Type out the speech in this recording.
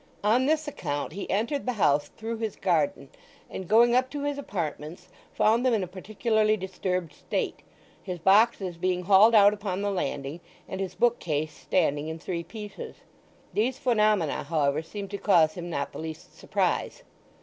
On this account he entered the house through his garden, and going up to his apartments found them in a particularly disturbed state, his boxes being hauled out upon the landing, and his bookcase standing in three pieces. These phenomena, however, seemed to cause him not the least surprise.